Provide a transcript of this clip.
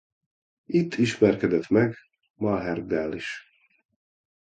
Itt ismerkedett meg Malherbe-el is.